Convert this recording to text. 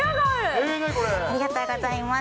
ありがとうございます。